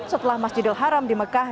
setelah masjid al haram di mekah